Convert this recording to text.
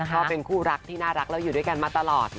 ก็เป็นคู่รักที่น่ารักแล้วอยู่ด้วยกันมาตลอด